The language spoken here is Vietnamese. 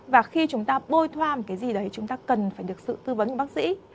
và khi chúng ta bôi thoa một cái gì đấy chúng ta cần phải được sự tư vấn của bác sĩ